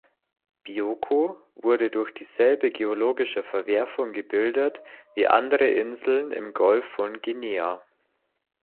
Bioko wurde durch dieselbe geologische Verwerfung gebildet wie andere Inseln im Golf von Guinea.